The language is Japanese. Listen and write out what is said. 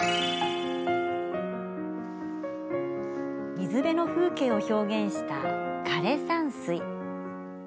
水辺の風景を表現した枯れ山水。